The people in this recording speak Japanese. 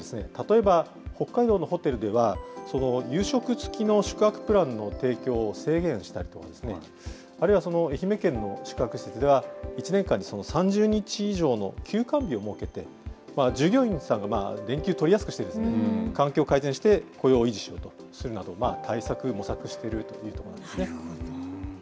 人手不足の中で、例えば北海道のホテルでは、夕食付きの宿泊プランの提供を制限したりとか、あるいは愛媛県の宿泊施設では、１年間に３０日以上の休館日を設けて、従業員さんが連休を取りやすくしてですね、環境改善して雇用を維持しようとするなど、対策、模索なるほど。